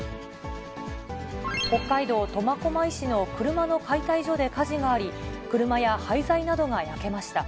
北海道苫小牧市の車の解体所で火事があり、車や廃材などが焼けました。